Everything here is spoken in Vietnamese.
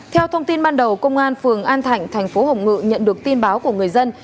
theo thông tin ban đầu công an phường an thạnh thành phố hồng ngự nhận được tin báo của người dân